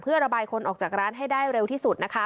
เพื่อระบายคนออกจากร้านให้ได้เร็วที่สุดนะคะ